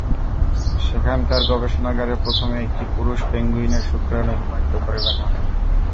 সেখানকার গবেষণাগারে প্রথমে একটি পুরুষ পেঙ্গুইনের শুক্রাণু হিমায়িত করে রাখা হয়।